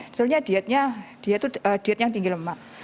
sebenarnya dietnya dia itu diet yang tinggi lemak